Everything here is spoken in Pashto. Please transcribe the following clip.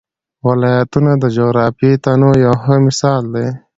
ولایتونه د جغرافیوي تنوع یو ښه مثال دی.